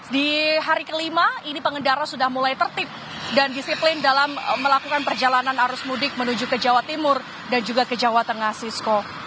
di hari kelima ini pengendara sudah mulai tertib dan disiplin dalam melakukan perjalanan arus mudik menuju ke jawa timur dan juga ke jawa tengah sisko